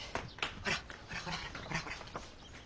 ほらほらほらほらほら。